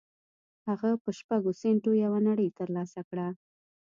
هغه په شپږو سينټو يوه نړۍ تر لاسه کړه.